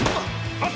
あっ。